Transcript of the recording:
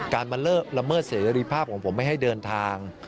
การมาละเมิดเสรีภาพของผมไม่ให้เดินทาง